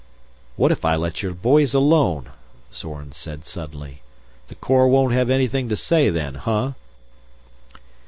"What if I let your boys alone?" Zorn said suddenly. "The Corps won't have anything to say then, huh?"